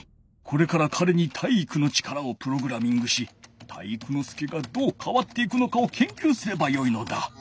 これからかれに体育の力をプログラミングし体育ノ介がどうかわっていくのかをけんきゅうすればよいのだ。